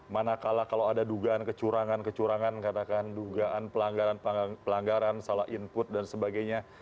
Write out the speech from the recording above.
manakala kalau ada dugaan kecurangan kecurangan katakan dugaan pelanggaran salah input dan sebagainya